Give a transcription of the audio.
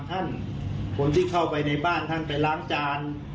คนที่เข้าไปในบ้านท่านไปล้างจาน